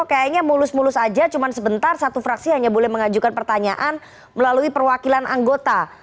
kayaknya mulus mulus aja cuma sebentar satu fraksi hanya boleh mengajukan pertanyaan melalui perwakilan anggota